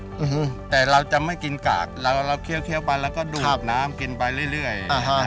อืมแต่เราจะไม่กินกากเราเราเคี้ยวไปแล้วก็ดูดน้ำกินไปเรื่อยเรื่อยอ่าฮะ